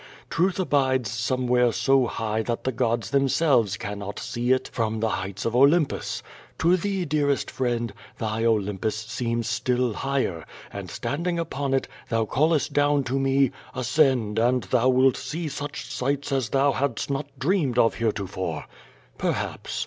Truth abides somewhere so high that the gods themselves cannot see it from the heights of Olympus. To thee, dearest friend, thy Olympus seems still higher, and, standing upon it, thou callest down to me: "Ascend, and thou wilt see such sights as thou hadst not dreamed of here tofore." Perhaps.